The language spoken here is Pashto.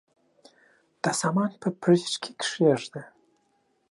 دا سامان په فریج کي کښېږده.